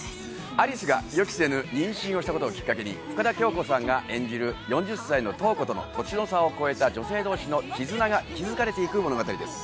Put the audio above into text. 有栖が予期せぬ妊娠をしたことをきっかけに深田恭子さんが演じる４０歳の瞳子との年の差を超えた女性同士の絆が築かれていく物語です